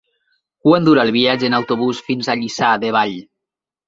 Quant dura el viatge en autobús fins a Lliçà de Vall?